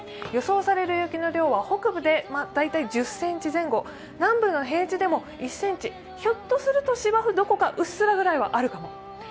予想される雪の量は北部で大体１０ｃｍ前後、南部の平地でも１ｃｍ、ひょっとすると、芝生どこかうっすらぐらいはあるかも。